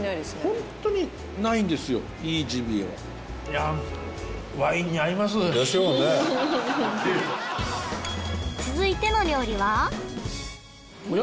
ホントにないんですよいいジビエはいやあ続いての料理はおや？